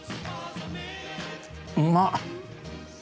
うまっ！